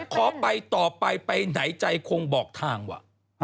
ร้องอย่างไรไม่รู้นะ